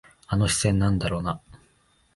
あの視線、なんだろうな。